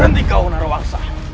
berhenti kau narawangsa